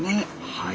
はい。